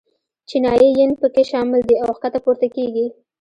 چینایي ین په کې شامل دي او ښکته پورته کېږي.